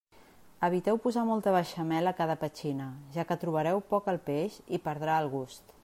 Eviteu posar molta beixamel a cada petxina, ja que trobareu poc el peix i perdrà el gust.